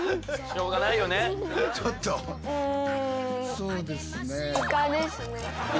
そうですね。